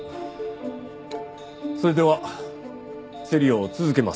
それでは競りを続けます。